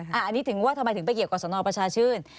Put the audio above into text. อันนี้ถึงว่าทำไมถึงไปเกี่ยวกับสนประชาชื่น